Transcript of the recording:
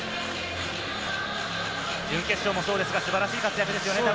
準決勝もそうですが、素晴らしい活躍ですね。